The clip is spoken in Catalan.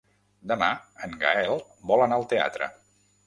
Demà en Gaël vol anar al teatre.